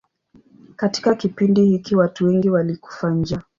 Katika kipindi hiki watu wengi walikufa njaa.